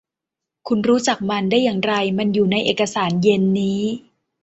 คุณรู้จักมันได้อย่างไร มันอยู่ในเอกสารเย็นนี้